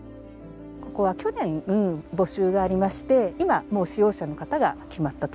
ここは去年募集がありまして今もう使用者の方が決まったところです。